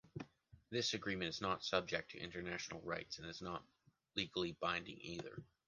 This agreement is not subject to international rights and is not legally binding either.